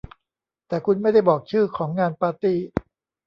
แต่คุณไม่ได้บอกชื่อของงานปาร์ตี้